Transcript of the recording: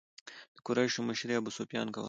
د قریشو مشري ابو سفیان کوله.